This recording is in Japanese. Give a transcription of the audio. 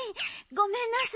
ごめんなさ。